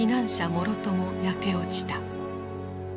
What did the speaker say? もろとも焼け落ちた。